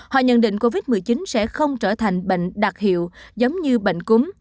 họ nhận định covid một mươi chín sẽ không trở thành bệnh đặc hiệu giống như bệnh cúm